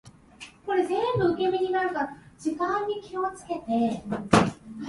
欲しいものがあるなら、何もかもかなぐり捨てて掴みに行くぐらいの方が人生は楽しいわよ